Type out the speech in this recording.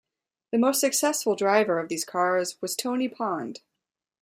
The most successful driver of these cars was Tony Pond.